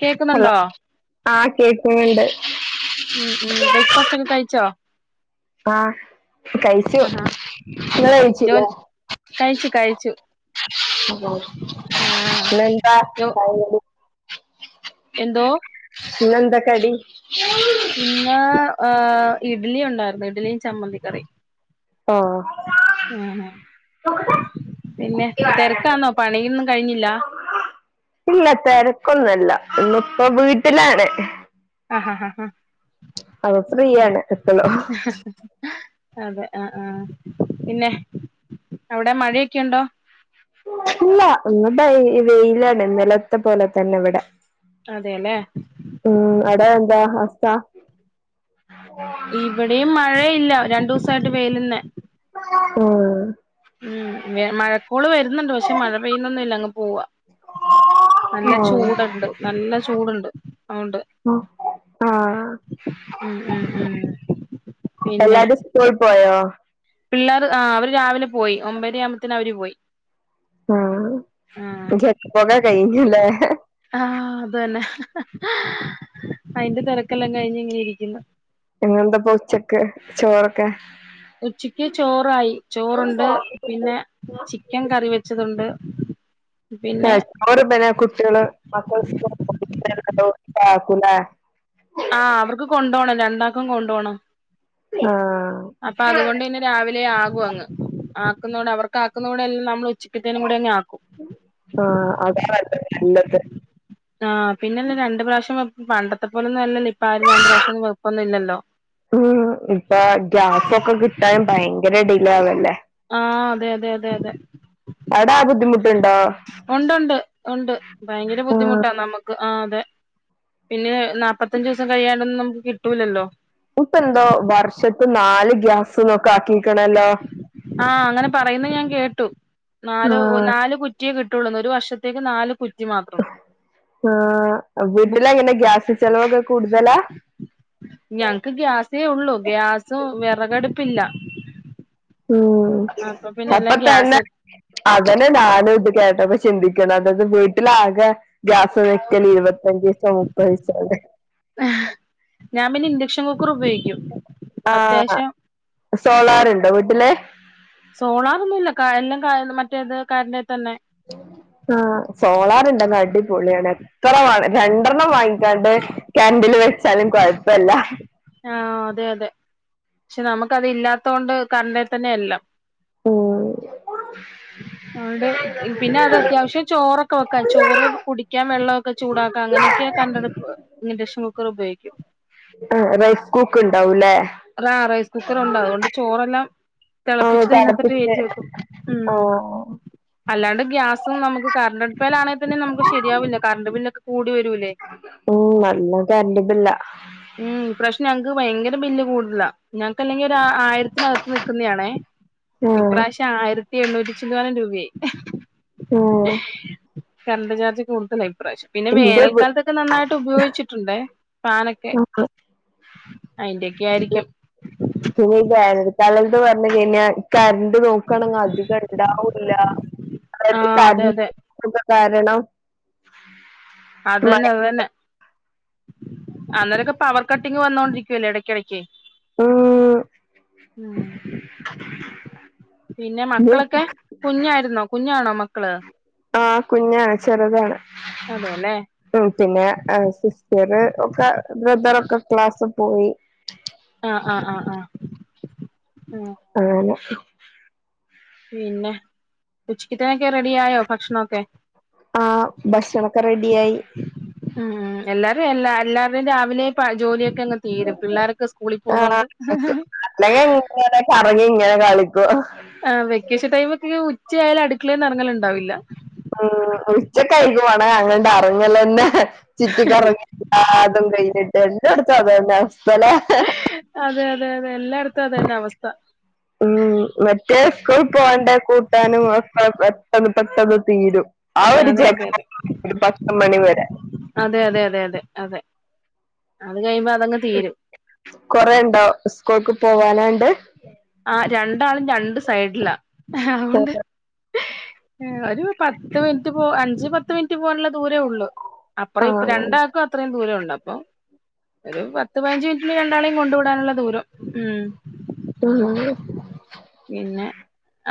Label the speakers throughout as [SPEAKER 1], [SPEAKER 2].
[SPEAKER 1] കേക്കുന്നുണ്ടോ
[SPEAKER 2] ആഹ് കേക്ക്ണ് ണ്ട്
[SPEAKER 1] ഉം ഉം ടെ പക്ഷണം കഴിച്ചോ
[SPEAKER 2] ആഹ് കഴിച്ചു
[SPEAKER 1] ആഹാ
[SPEAKER 2] നിങ്ങള്
[SPEAKER 1] ജോ
[SPEAKER 2] കഴിച്ചില്ലേ ഉം
[SPEAKER 1] കഴിച്ചു കഴിച്ചു ആഹ്
[SPEAKER 2] പിന്നെന്താ
[SPEAKER 1] ജോ
[SPEAKER 2] [unintelligible]
[SPEAKER 1] എന്തോ
[SPEAKER 2] ഇന്നെന്താ കടി
[SPEAKER 1] ഇന്ന് ഏ ഇഡ്ലി ഉണ്ടാർന്നു ഇഡ്ലിയും ചമ്മന്തി കറിയും
[SPEAKER 2] ആഹ്
[SPEAKER 1] ആഹ പിന്നെ തെരക്കാന്നോ പണിയൊന്നും കഴിഞ്ഞില്ലാ
[SPEAKER 2] ഇന്ന്പ്പ വീട്ടിലാണ്
[SPEAKER 1] അ ഹ ഹ ഹാ
[SPEAKER 2] അ [unintelligible] ഫ്രീയാണ് [unintelligible]
[SPEAKER 1] അതെ ആഹ് ആഹ് പിന്നെ അവിടെ മഴയൊക്യെണ്ടൊ
[SPEAKER 2] ഇല്ല ഒന്ന് ഭൈ വെയിലാണ് ഇന്നലത്തെ പോലെ തന്നെ ഇവിടെ
[SPEAKER 1] അതെ ല്ലേ
[SPEAKER 2] ഉം അട എന്താ അവസ്ത
[SPEAKER 1] ഇവിടെയും മഴയില്ല രണ്ടൂസായിട്ട് വെയിലന്നെ
[SPEAKER 2] ആ
[SPEAKER 1] ഉം വെ മഴക്കോള് വരുന്നുണ്ട് പക്ഷെ മഴ പെയ്യുന്നൊന്നുല്ല്യ അങ്ങ് പോവാ നല്ല
[SPEAKER 2] ആഹ്
[SPEAKER 1] ചൂടണ്ട് നല്ല ചൂടുണ്ട് ഓണ്ട്
[SPEAKER 2] ആഹ്
[SPEAKER 1] ഉം ഉം ഉം പിന്നെ
[SPEAKER 2] എല്ലാരും സ്കൂൾ പോയോ
[SPEAKER 1] പിള്ളേർ ആ അവര് രാവിലെ പോയി ഒമ്പര്യാകുമ്പത്തേന് അവര് പോയി
[SPEAKER 2] ആ
[SPEAKER 1] ആഹ്
[SPEAKER 2] [unintelligible]
[SPEAKER 1] ആഹ് അത് തന്നെ അയിന്റെ തെരക്കെല്ലാം കഴിഞ്ഞ് ഇങ്ങനെ ഇരിക്ക്ന്നാ
[SPEAKER 2] പിന്നെന്താപ്പൊ ഉച്ചക്ക് ചോറൊക്കെ?
[SPEAKER 1] ഉച്ചക്ക് ചോറായി ചോറുണ്ട് പിന്നെ ചിക്കൻ കറി വെച്ചതുണ്ട്
[SPEAKER 2] ആ
[SPEAKER 1] പിന്നെ
[SPEAKER 2] ചോറ് [unintelligible] കുട്ടികള് മക്കള് [unintelligible] ആക്കുലേ
[SPEAKER 1] ആ അവർക്ക് കൊണ്ടു പോണം രണ്ടാക്കും കൊണ്ടു പോണം
[SPEAKER 2] ആഹ്
[SPEAKER 1] അപ്പൊ അതുകൊണ്ട് പിന്നെ രാവിലെ ആ ക്കുവങ്ങ് ആക്കുന്നോണ്ട് അവർക്കാക്കുന്നോടെ എൽ നമ്മ
[SPEAKER 2] ആഹ് [unintelligible]
[SPEAKER 1] ആഹ് പിന്നെല്ല രണ്ട് പ്രാശ്യം വെപ്പ് പണ്ടത്തെ പോലൊന്നും അല്ലല്ലോ ഇപ്പ്
[SPEAKER 2] ഉം ഇപ്പൊ ഗ്യാസൊക്കെ കിട്ടാൻ ഭയങ്കര ഡെയ് ല്ലെ അതല്ലേ
[SPEAKER 1] ആ അതെ അതെ അതെ അതെ
[SPEAKER 2] ട്ട്ണ്ടോ.
[SPEAKER 1] ഉണ്ട്ണ്ട് ഉണ്ട്. ഭയങ്കര
[SPEAKER 2] ആഹ്
[SPEAKER 1] ബുദ്ധിമുട്ടാ. നമുക്ക്. ആ അതെ പിന്നേ നാപ്പത്തഞ്ച് ദിവസം കഴ്യാണ്ടൊന്നും നംക്ക് കി ട്ടൂലല്ലോ
[SPEAKER 2] ഗ്യാസ് ന്നൊക്കാക്കി
[SPEAKER 1] ആ അങ്ങനെ പറയുന്നെ ഞാൻ കേട്ടു. നാലോ ഒ
[SPEAKER 2] ആഹ്
[SPEAKER 1] നാൽ കു റ്റിയെ കിട്ടുള്ളൂന്ന് ഒരു വർഷത്തേക്ക് നാല് കു
[SPEAKER 2] ആ വീട്ടിലെങ്ങനെ ഗ്യാസ് ചെലവൊക്കെ കൂ
[SPEAKER 1] ഞങക്ക് ഗ്യാസ് തേ ഉള്ളൂ ഗ്യാസും വിറകടുപ്പില്ല
[SPEAKER 2] ഉം
[SPEAKER 1] അപ്പൊ പിന്നെ
[SPEAKER 2] അപ്പ
[SPEAKER 1] എല്ലാം
[SPEAKER 2] തന്നെ
[SPEAKER 1] ഗ്യാസ്
[SPEAKER 2] അതന്നെ ഞാനും ഇത് കേട്ടപ്പ ചിന്തിക്കണം അതായത് വീട്ടിലാകെ ഗ്യാസ് വെക്കല് ഇരുപത്തഞ്ച് ദിവസം മുപ്പത് ദിവസം അല്ലേ
[SPEAKER 1] ഷോ
[SPEAKER 2] ആ സോളാറ്ണ്ട് വി ഇല്ലെ
[SPEAKER 1] കറന്റെ തന്നെ
[SPEAKER 2] ആ സോളാറണ്ടങ്ങ അടിപൊളിയാണ് എത്ര വ രണ്ടെണ്ണം വാങ്ങിക്കാണ്ട് കറൻ്റില് വെച്ചാലും കൊഴപ്പല്ല
[SPEAKER 1] ആ അതെ അതെ പക്ഷെ നമുക്ക് അതിലല്ലാതെ - ത്തോണ്ട് കറണ്ട തന്നെ എല്ലാം
[SPEAKER 2] ഉം
[SPEAKER 1] അതൊണ്ട് പിന്നെ അത് അത്യാവശ്യം ചോറൊക്കെ വെ ചോറ് കുടിക്കാൻ വെള്ളമൊക്കെ ചൂടാക്കാം അങ്ങനെയൊക്കെ കണ്ടടുപ് ഇൻഡക്ഷൻ കുക്കർ ഉപയോഗിക്കും
[SPEAKER 2] ആ റൈസ് കുക്ക് ഉണ്ടാവുംല്ലേ
[SPEAKER 1] റാ റൈസ് കുക്കർ ഉണ്ട് അതുകൊണ്ട് ചോറെല്ലാം-
[SPEAKER 2] ആഹ്
[SPEAKER 1] തിളപ്പിച്ചിട്ട് അതിനകത്തോട്ട്
[SPEAKER 2] തിളപ്പിച്ച്
[SPEAKER 1] കേറ്റി വെക്കും ഉം
[SPEAKER 2] ആഹ്
[SPEAKER 1] അല്ലാണ്ട് ഗ്യാസും നമുക്ക് കറണ്ട് അടുപ്പാലാണെൽ പിന്നേം നമുക്ക് ശരിയാവില്ല കറണ്ട് ബില്ലൊക്കെ കൂടി വരൂലേ
[SPEAKER 2] ഉം നല്ല കരണ്ടും ബില്ലാ
[SPEAKER 1] ഉം ഇപ്രാവശ്യം ഞങ്ങക്ക് ഭയങ്കര ബില്ല് കൂടു - ഇല്ല ഞങ്ങക്കല്ലെങ്കിൽ ആ ആയിരത്തിനകത്ത് നിൽക്കുന്നതണേ
[SPEAKER 2] ആഹ്
[SPEAKER 1] ഇപ്രാവശ്യം ആയിരത്തി എണ്ണൂറ്റി ചില്ലാനം രൂപയായി അഹ്
[SPEAKER 2] ഓ
[SPEAKER 1] കർണ്ട് ചാർജ് കൂടുതലെ പ്രാവശ്യം പിന്നെ വേനൽക്കാലത്തൊക്കെ നന്നായിട്ട് ഉപയോഗിച്ചിട്ടുണ്ടേ ഫാനൊക്കെ
[SPEAKER 2] വീ
[SPEAKER 1] അയിൻ്റൊക്കെ ആയിരിക്കും [inaudible]
[SPEAKER 2] പിന്നെ ഈ വേനൽകാലന്ന് പർഞ്‌കഴിഞ്ഞാ കറണ്ട് നോക്കണെങ്ക അധികം ഇണ്ടാവൂല്ല എടി ക
[SPEAKER 1] ആഹ് അതെ അതെ
[SPEAKER 2] [unintelligible] കാരണം മഴ
[SPEAKER 1] അതന്നെ അതന്നെ അന്നേരൊക്കെ പവർ കട്ടിങ്ങ് വന്നോണ്ടിരിക്കല്ലോ എടക്കെടക്ക്
[SPEAKER 2] ഉം
[SPEAKER 1] ആഹ കുഞ്ഞായിരുന്നോ കുഞ്ഞാണോ മക്കള്
[SPEAKER 2] ആ കുഞ്ഞാണ് ചെറുതാണ്.
[SPEAKER 1] അതെല്ലേ
[SPEAKER 2] പിന്നെ സിസ്റ്ററ് ഒക്കെ ബ്രദറൊക്കെ ക്ലാസ് പോയി.
[SPEAKER 1] ആഹ ആഹ ആഹ ആഹ
[SPEAKER 2] അങ്ങനെ
[SPEAKER 1] പിന്നെ ഉച്ചക്കത്തെനൊക്കെ റെഡി ആയോ ഭക്ഷ്ണൊക്കെ
[SPEAKER 2] ആ ഭക്ഷണൊക്കെ റെഡിയായി.
[SPEAKER 1] ഉം ഉം എല്ലാരും എല്ലാ എല്ലാരുടെയും രാവിലെ പ ജോലിയെ ക്കെ അങ്ങ് തീരും പിള്ളേരൊക്കെ സ്കൂളിൽ
[SPEAKER 2] ആ
[SPEAKER 1] പോന്നോണ്ട്
[SPEAKER 2] അല്ലെങ്കി ഇങ്ങനെ കറങ്ങി ഇങ്ങനെ കളിക്കും
[SPEAKER 1] ആ വെക്കേഷൻ ടൈമൊക്കെ ഇങ്ങനെ ഉച്ച ആയാലും അടുക്കളേന്ന്‌എറങ്ങലുണ്ടാവില്ല.
[SPEAKER 2] ഉച്ചക്കഴകമളെ അങ്ങണ്ട് അറിങ്ങലന്നെ ചിറ്റി കറങ്ങില്ല അതും കയ്യിലിട്ട് എല്ലടും ക്കഅതന്നെ അവസ്
[SPEAKER 1] അതെ അതെ അതെ എല്ലായിടത്തും അതെന്നെ അവസ്ഥ
[SPEAKER 2] ഉം മറ്റേ സ്കൂൾ പോണ്ടെ കൂട്ടാനും ഒക്കെ പെട്ടന്ന് പെട്ടന്ന് തീരും ആ ഒരു
[SPEAKER 1] അതെ അതെ അതെ
[SPEAKER 2] ജകപൊകാണ് ഒരു പത്ത്മണിവരെ
[SPEAKER 1] അതെ! അതെ! അതെ! അതെ! അതെ. അത് കഴിയുമ്പോ അതങ്ങ് തീരും
[SPEAKER 2] കൊറേണ്ടോ സ്കൂൾക്ക് പോവാനണ്ട്
[SPEAKER 1] ആ രണ്ടാളും രണ്ട് സൈഡിലാ അതോണ്ട് ഒരു പത്ത് മിനിറ്റ് പോ അഞ്ച് പത്ത് മിനിറ്റ് പോവാനുള്ളത്. ദൂരേ ഒള്ളൂ
[SPEAKER 2] ആ
[SPEAKER 1] അപ്പറഇപ്പൊ രണ്ടാക്കും അത്രേം ദൂരംഉണ്ട് അപ്പൊ ഒരു പത്ത്പയ്നഞ്ച് മിനിറ്റ്ന് രണ്ടാളെയും കൊണ്ടവിടാനുള്ള ദൂരം ഉം
[SPEAKER 2] ഉം [inaudible]
[SPEAKER 1] പിന്നെ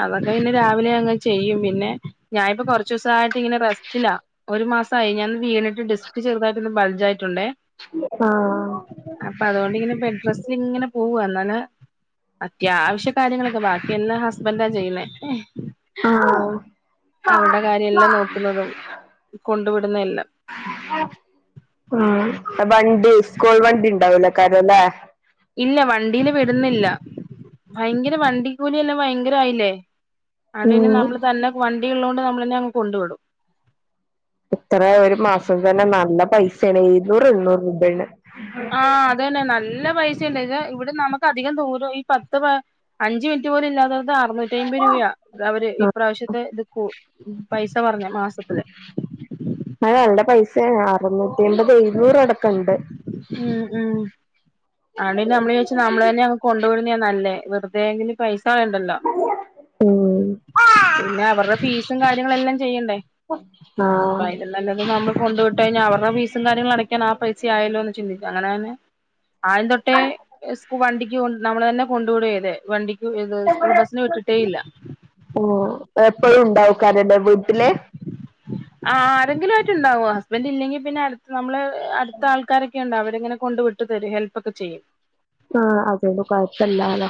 [SPEAKER 1] അവക്ക് പിന്നെ രാവിലെഅങ്ങ് ചെയ്യും പിന്നെ ഞാനിപ്പോ കൊറച്ചുസായിട്ട് ഇങ്ങനെ റസ്റ്റില ഒരുമാസായി ഞാനൊന്നു വീണ് ന്റെ ഡിസ്ക് ചെറുതായിട്ടൊന്നു ബൾജായി ഉണ്ടേ
[SPEAKER 2] ആ
[SPEAKER 1] അപ്പൊ അതുകൊണ്ടിങ്ങനെ ബെഡ്റെസ്റ്റിൽ ഇങ്ങനെ പോവ എന്നാണ് അത്യാവിശം ബാക്കിയെല്ലാം ഹസ്ബന്റാ ചെയ്യണേ ഉം
[SPEAKER 2] ആ
[SPEAKER 1] അവൾടെ കാര്യംഎല്ലാം നോക്കുന്നതും കൊണ്ടു വിടുന്നതെല്ലാം
[SPEAKER 2] ഉം വണ്ടി സ്കൂൾ വണ്ടി വണ്ടാവില്ല കാരംലെ-
[SPEAKER 1] ഇല്ല വണ്ടില് വിടുന്നില്ല ഭയങ്കര വണ്ടി കൂലി തന്നെ എല്ലാം ഭയങ്കരയില്ലേ അതുകൊണ്ട് പിന്നെ
[SPEAKER 2] ഉം
[SPEAKER 1] നമ്മള് തന്നെ വണ്ടി ഉള്ളോണ്ട് നമ്മ എന്നെഅങ്ങ് കൊണ്ട് വിടും
[SPEAKER 2] എത്ര ഒരു മാസം തന്നെ നല്ല പൈസാണെ എഴുന്നൂറ് എണ്ണൂറ് രൂപണ്
[SPEAKER 1] ആഹ് അതന്നെ നല്ല പൈസ് ഇവിടെ നമുക്ക് അധികം ദൂരം ഈ പത്ത് അഞ്ച് മിനിറ്റ് പോലും ഇല്ലാതെ അറുനൂറ്റി അയിമ്പത് രൂപയാ അവര് ഈ പ്രാവശ്യത്തെ ഇത്കു പൈസ പറഞ്ഞെ മാസത്തിന്
[SPEAKER 2] ഏ അറുന്നൂറ്റിമ്പത് നൂറടക്കംണ്ട്
[SPEAKER 1] ആണേൽ നമ്മൾ വിചാരിച്ചു നമ്മള്ളനെങ്ങ് കൊ കൊണ്ടുവിടുന്നയാ നല്ലേ വെറുതെ എന്തിന് പൈസ കളയണ്ടല്ലോ
[SPEAKER 2] ഉം
[SPEAKER 1] പിന്നെ അവർടെ ഫീസും കാര്യങ്ങളെല്ലാം ചെയ്യണ്ടേ
[SPEAKER 2] ആഹ്
[SPEAKER 1] അതിലും നല്ലത് നമ്മള് കൊണ്ട് വിട്ട് കഴിഞ്ഞാൽ അവരുടെ ഫീസ് ഫീസും കാര്യങ്ങളും അടക്കാൻ ആ പൈസ ആയല്ലോ എന്ന് ചിന്തിക്കും അങ്ങനെ തന്നെ ആയം തൊട്ടേ സ്കൂ വണ്ടി ണ്ടി കൊ നമ്മളന്നെ കൊണ്ടു വിടുവെ ചെയ്തേ വണ്ടി
[SPEAKER 2] എപ്പഴും ഉണ്ടാവ്ക്കാരല്ലേ വിട് വീട്ടില്
[SPEAKER 1] ആ ആരെങ്കിലും ആയിട്ട് ഉണ്ടാവും ഹസ്ബന്റ് ഇല്ലെങ്കി പിന്നെ അടുത്ത് നമ്മള് അടുത്ത ആൾക്കാരെക്കെണ്ട് അവരിങ്ങനെ കൊണ്ടുവി ഇട്ട് തെരും ഹെൽപൊക്കെ ചെയ്യും
[SPEAKER 2] ആഹ് അത്കൊണ്ട് കൊയപ്പല്ലാല്ലോ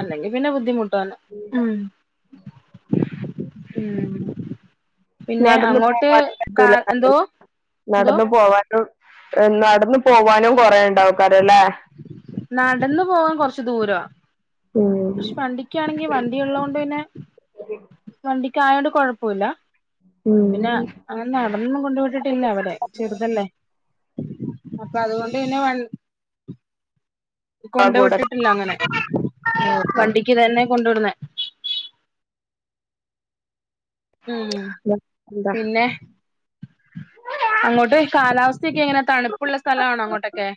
[SPEAKER 1] അല്ലെങ്കി പിന്നെ ബദ്ധിമു ട്ടാണ് ഉം പിന്നെ
[SPEAKER 2] നടന്ന്
[SPEAKER 1] അങ്ങോട്ട്
[SPEAKER 2] പോവാനും
[SPEAKER 1] കാ
[SPEAKER 2] പറ്റൂല
[SPEAKER 1] എന്തോ എന്തോ
[SPEAKER 2] നടന്ന് പോവാൻ നടന്ന് പോവാനും കൊറേ ഉണ്ടാവ്ക്കാരല്ലേ
[SPEAKER 1] നടന്ന് പോവാൻ കൊറച്ച് ദൂരവാ.
[SPEAKER 2] ഉം
[SPEAKER 1] പക്ഷേ വണ്ടിക്കാണെങ്കി വണ്ടിഉള്ളോണ്ട് പിന്നെ വണ്ടി ക്കായോണ്ട് കോഴപ്പില്ല.
[SPEAKER 2] ഉം
[SPEAKER 1] പിന്ന അങ്ങനെ നടന്നൊന്നും കൊണ്ട് വിട്ടിട്ടില്ല അവടെ ചെറുതല്ലേ. അപ്പ അതുകൊണ്ട് പിന്നെ വൺ
[SPEAKER 2] ആ
[SPEAKER 1] കൊണ്ട്
[SPEAKER 2] കൂടെ
[SPEAKER 1] വിട്ടിട്ടില്ല അങ്ങനെ വണ്ടിക്ക് തന്നെ കൊണ്ട് വിടുന്നേ. ഉം
[SPEAKER 2] എന്താ
[SPEAKER 1] പിന്നെ അങ്ങോട്ട് കാലാവസ്ഥക്കെ എങ്ങനെ. തണുപ്പുള്ള സ്ഥലാണോ അങ്ങോട്ടൊക്കെ.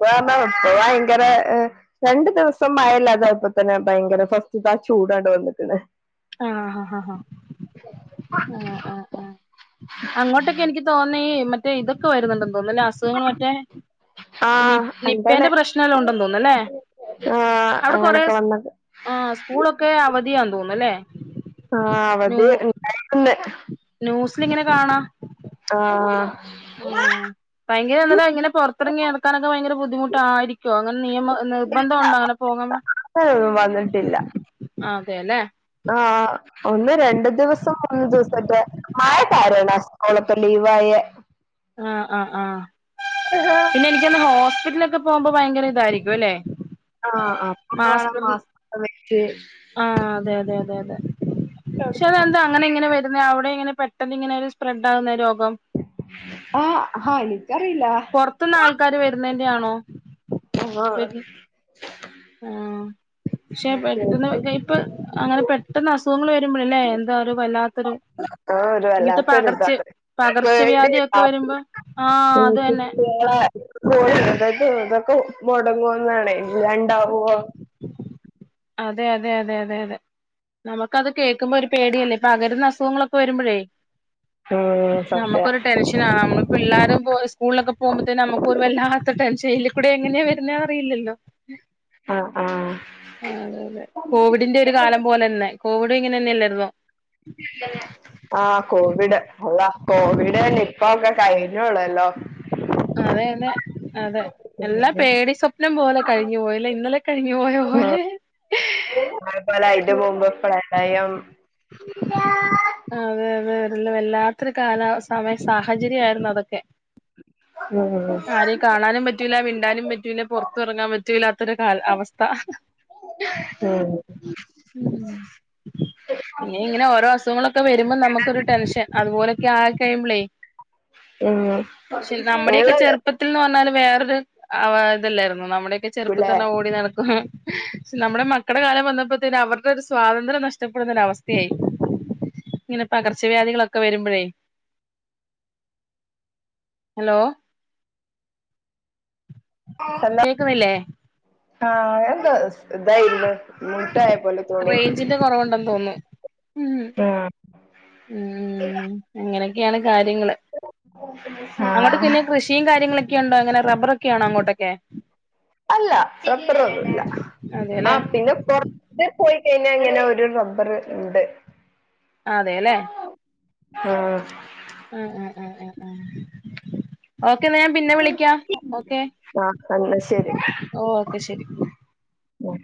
[SPEAKER 2] [unintelligible] ഭയങ്കര രണ്ടു ദിവസം മഴയില്ലാതായപ്പോ തന്നെ ഭയങ്കര ഫസ്റ്റത്തെ ആ ചൂടാണ്ടൊ വന്നിക്ക്ണ.
[SPEAKER 1] ആഹ് ഹ ഹ ഹ ആ ആ ആ അങ്ങോട്ടൊക്കെ എനിക്ക് തോന്നേ മറ്റേ ഇതൊക്കെ വരുന്നുണ്ട്. തോന അസുഖങ്ങള് മറ്റേ
[SPEAKER 2] ആഹ് എന്താണ്
[SPEAKER 1] നിപ്പേന്റെ പ്രശ്നെല്ലാം ഉണ്ടന്ന്തോന്നല്ലേ.
[SPEAKER 2] ആഹ്
[SPEAKER 1] അവിടെ കൊറേ
[SPEAKER 2] അങ്ങനൊക്കെ വന്നത്
[SPEAKER 1] ആ സ്കൂളൊക്കെ അവധിയ തോന്നല്ലേ.
[SPEAKER 2] ആ അവധി ഇണ്ട്
[SPEAKER 1] നൂസിലിങ്ങനെ കാണാ
[SPEAKER 2] ആ.
[SPEAKER 1] ആ ഭയങ്കര നല്ലതാ ഇങ്ങനെ പുറത്തിറങ്ങി നടക്കാനൊക്കെ ഭയങ്കര ബുദ്ധിമുട്ട്. ആയിരിക്കോ അങ്ങനെ നിയമ നിർബന്ധം ഉണ്ടോ അങ്ങനെ പോകാ
[SPEAKER 2] [unintelligible] വന്നിട്ടില്ല.
[SPEAKER 1] ആ അതെ അല്ലെ.
[SPEAKER 2] ആഹ ഒന്ന് രണ്ട്. ദിവസം മൂന്ന് ദിവസൊറ്റെ മായെ. കാരണം അവളക്കെ ലീവായെ.
[SPEAKER 1] ആ ആ ആ.
[SPEAKER 2] ആഹ്
[SPEAKER 1] പിന്നെ എനിക്കൊന്ന് ഹോ [unintelligible] [unintelligible] പോകുമ്പ ഭയങ്കര ഇതായിരിക്കും അല്ലെ.
[SPEAKER 2] ആ അപ്പപോണം മാസ്ക് ഒക്കെ വെച്ച്.
[SPEAKER 1] ആഹ് അതെ [inaudible] [unintelligible] പക്ഷെ എന്താ അങ്ങനെ ഇങ്ങനെ വരുന്ന അവിടെങ്ങനെ. പെട്ടെന്ന് ഇങ്ങനെ ഒരു സ്പ്രെഡ് ആകുന്നരോ അം [unintelligible]
[SPEAKER 2] ആ ഹായ് നിക്കറിയില്ല.
[SPEAKER 1] ആൾക്കാര് വരുന്നതിന്റെ ആണോ.
[SPEAKER 2] ആഹ
[SPEAKER 1] ആ പക്ഷെ പെട്ടെന്ന് ഇപ്പ അങ്ങനെ പെട്ടെന്ന് അസ് സങ്ങള ല്ലേ എന്താ ഒരു വല്ലാത്തൊരു
[SPEAKER 2] ഒരു
[SPEAKER 1] ഇങ്ങത്തെ പകർച്ച
[SPEAKER 2] വല്ലാത്തൊരിതാണ്
[SPEAKER 1] പകർച്ചവ്യാധിക്കെ
[SPEAKER 2] പേടിയാണ്
[SPEAKER 1] വരുമ്പോ ആഹ അത് തന്നെ
[SPEAKER 2] സ്കൂൾ എന്ധെക്കേ ഇതൊക്കെ മുടങ്ങോന്നാണ് ഇല്ലാണ്ടാവോ
[SPEAKER 1] അതെ അതെ അതെ അതെ അതെ നമുക്കത് കേൾക്കുമ്പോ ഒരു പേടിയല്ലേ പകരുന്ന അസുഖങ്ങളൊക്കെ വരുമ്പോയ്
[SPEAKER 2] ഉം സത്യാ
[SPEAKER 1] നമുക്കൊരു ടെൻഷന ആ നമ്മ പിള്ളാരും സ്കൂളിലൊക്കെ പോകുമ്പത്തേ നമുക്ക് വല്ലാത്ത ടെൻഷൻ എയിൽകുടെ എങ്ങനെയാ വരുന്ന അറിയില്ലല്ലോ
[SPEAKER 2] ആആ
[SPEAKER 1] ആഅതെ അതെ കോവിഡിന്റെ ഒരു കാലം പോലെ തന്നെ കോവിഡും ഇങ്ങനെ തന്നെ ഇല്ലായിന്നോ
[SPEAKER 2] ആഹ കോവിഡ് അള്ളാ കോവിഡ് നിപ്പ ഒക്കെ കഴിഞ്ഞള്ളല്ലോ
[SPEAKER 1] അതെ അതെ അതെ എല്ലാ പേടി സ്വപ്നം പോലെ കഴിഞ്ഞു പോയല്ല ഇന്നലെ കഴിഞ്ഞു പോയ
[SPEAKER 2] ഉം
[SPEAKER 1] പോലെ
[SPEAKER 2] [unintelligible] പ്രളയം [unintelligible]
[SPEAKER 1] അതെ അതെവല്ലാത്തൊരു കാല സമയ സാഹചര്യംയിരുന്നു അതൊക്കെ
[SPEAKER 2] [unintelligible]
[SPEAKER 1] ആരെകാണാനും പറ്റൂല മിണ്ടാനും പറ്റൂല പുറത്തറങ്ങാൻ പറ്റൂലാത്തൊരു അവസ്ഥ
[SPEAKER 2] ഉം
[SPEAKER 1] ഉം ഇനി ഇങ്ങനെ ഓരോ അസുഖങ്ങളൊക്കെ വരുമ്പോൾ നമുക്കരു ടെൻഷൻ അതുപോലൊക്കെ ആ കഴിയുമ്പോൽ
[SPEAKER 2] ഉം
[SPEAKER 1] നമ്മുടെയൊക്കെ
[SPEAKER 2] നിങ്ങളെ
[SPEAKER 1] ചെറുപ്പത്തിൽന്ന് പറഞ്ഞാല് വേറെ ഇതല്ലരുന്നു നമ്മുടെയൊക്കെ ചെറുപ്പം
[SPEAKER 2] ക്കുലേ
[SPEAKER 1] തന്നെ ഓടി നടക്കും നമ്മുടെ മക്കടെ കാലം വന്നപ്പോത്തേ അവരുടെ ഒരു സ്വാതന്ത്ര്യം നഷ്ടപ്പെടുന്നൊരു അവസ്ഥയായി ഇങ്ങനെ പകർച്ചവ്യാധികളൊക്കെ വരുമ്പയ് ഹലോ കേക്കുന്നില്ലേ
[SPEAKER 2] ആഹ എന്താ ഇതായിന്നു
[SPEAKER 1] റേഞ്ചിന്റെ കൊറവുണ്ടെന്ന് തോന്നുന്നു ഉം
[SPEAKER 2] ആ
[SPEAKER 1] ഉം അങ്ങനെ എനിക്ക് കാര്യങ്ങള് അങ്ങോട്ട്
[SPEAKER 2] ആഹ്
[SPEAKER 1] പിന്നെ കൃഷിയും കാര്യങ്ങളൊക്കെ ഒക്കെ ഉണ്ടോ അങ്ങനെ റബ്ബറ ഒക്കെയണോ അങ്ങോട്ടൊക്കെ
[SPEAKER 2] അല്ല റബ്രറൊന്നുംല്ല ആ
[SPEAKER 1] അതെല്ലേ
[SPEAKER 2] പിന്നെ കൊറച് പോയി കഴിഞ്ഞാ അങ്ങനെ ഒരു റബ്ബർ ഉണ്ട്
[SPEAKER 1] അതെല്ലേ
[SPEAKER 2] ആഹ്
[SPEAKER 1] ഉം ഉം ഉം ഉം ഉം ഓ ഞാൻ പിന്നെ വിളിക്കാം
[SPEAKER 2] ആഹ് എന്നാ ശരി
[SPEAKER 1] ഓക്കെ
[SPEAKER 2] ഉം